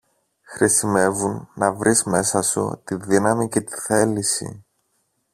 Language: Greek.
Χρησιμεύουν να βρεις μέσα σου τη δύναμη και τη θέληση